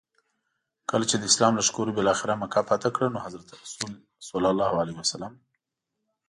کله چي د اسلام لښکرو بالاخره مکه فتح کړه نو حضرت رسول ص.